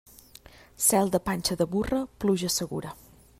Cel de panxa de burra, pluja segura.